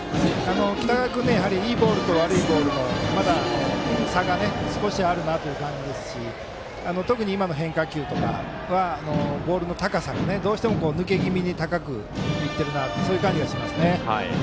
北川君いいボールと悪いボールのまだ差が少しあるなという感じですし特に今の変化球はボールが抜け気味に高く行っているそういう感じがします。